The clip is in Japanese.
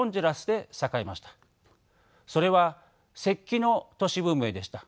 それは石器の都市文明でした。